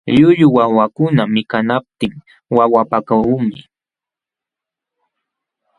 Llullu wawakuna mikanaptin wawapaakunmi.